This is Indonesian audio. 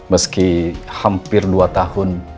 meski hampir dua tahun